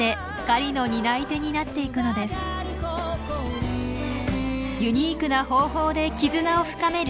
ユニークな方法で絆を深めるリカオン。